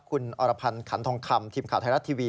คุณอรพันธ์ขันทองคำทีมข่าวไทยรัฐทีวี